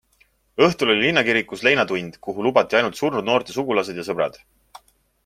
Õhtul oli linnakirikus leinatund, kuhu lubati ainult surnud noorte sugulased ja sõbrad.